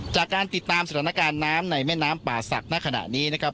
จากการติดตามสถานการณ์น้ำในแม่น้ำป่าศักดิ์ณขณะนี้นะครับ